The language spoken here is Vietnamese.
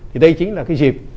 thì đây chính là cái dịp